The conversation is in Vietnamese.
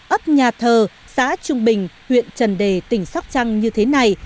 ấp nhà thờ xã trung bình huyện trần đề tỉnh sóc trăng như thế này